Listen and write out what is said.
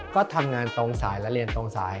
ก็ทำงานตรงสายและเรียนตรงสาย